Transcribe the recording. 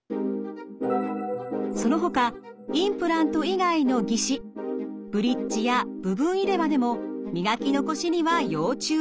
そのほかインプラント以外の義歯ブリッジや部分入れ歯でも磨き残しには要注意。